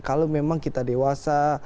kalau memang kita dewasa